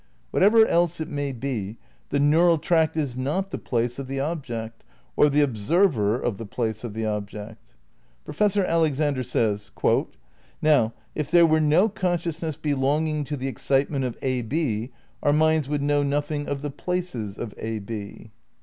What ever else it may be, the neural tract is not the place of the object, or the observer of the place of the object. Professor Alexander says : "Now if there were no consciousness belonging to the excite ment of A B our minds would know nothing of the places of ab."